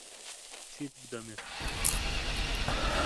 چیت بدەمێ؟